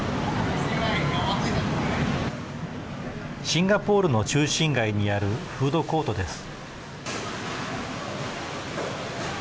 シンガポールの中心街にあるフードコートです。